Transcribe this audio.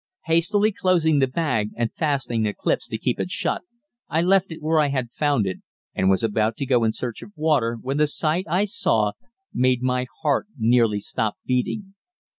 Hastily closing the bag, and fastening the clips to keep it shut, I left it where I had found it and was about to go in search of water, when the sight I saw made my heart nearly stop beating.